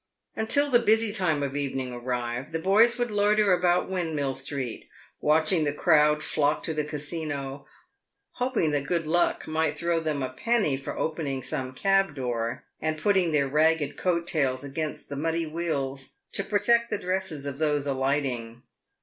Until the busy time of the evening arrived, the boys would loiter about Windmill street, watching the crowd flock to the Casino, hoping that good luck might throw them a penny for opening some cab door, and putting their ragged coat tails against the muddy wheels to protect the dresses of those alighting.